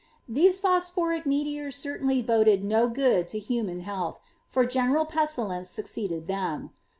These phosphoric meteors certainly boded no good to human health, for general pestilence succeeded then.